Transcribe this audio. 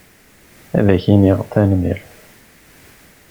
Ad ak-iniɣ tanemmirt.